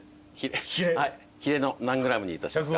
ヒレの何グラムにいたしますか？